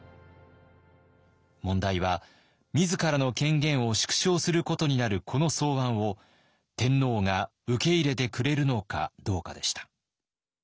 問題は自らの権限を縮小することになるこの草案を天皇が受け入れてくれるのかどうかでした。